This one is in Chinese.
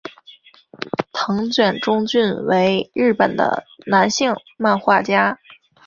藤卷忠俊为日本的男性漫画家。